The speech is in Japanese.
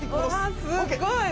すごい。